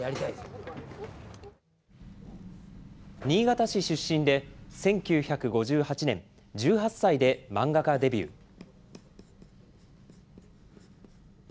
新潟市出身で、１９５８年、１８歳で漫画家デビュー。